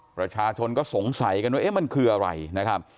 ประชาชนก็สงสัยกันว่าเอ๊ะมันคืออะไรนะครับ